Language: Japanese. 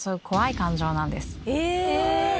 え！